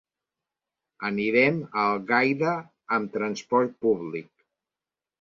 Anirem a Algaida amb transport públic.